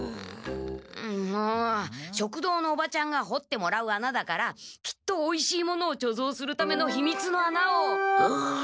もう食堂のおばちゃんが掘ってもらう穴だからきっとおいしいものをちょぞうするためのひみつの穴を。